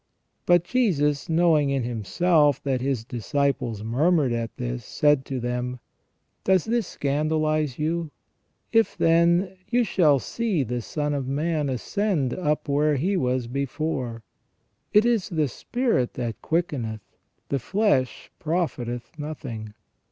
But Jesus, knowing in Himself that His disciples murmured at this, said to them : Does this scandalize you ? If, then, you shall see the Son of Man ascend up where He was before. It is the Spirit that quickeneth ; the flesh profiteth nothing.